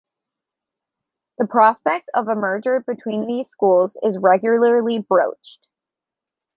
The prospect of a merger between these schools is regularly broached.